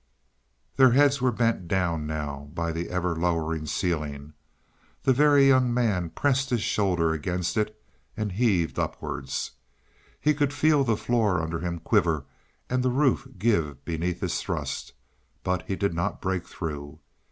Their heads were bent down now by the ever lowering ceiling; the Very Young Man pressed his shoulder against it and heaved upwards. He could feel the floor under him quiver and the roof give beneath his thrust, but he did not break through.